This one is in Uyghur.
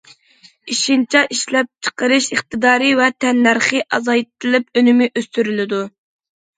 ئېشىنچا ئىشلەپچىقىرىش ئىقتىدارى ۋە تەننەرخى ئازايتىلىپ، ئۈنۈمى ئۆستۈرۈلىدۇ.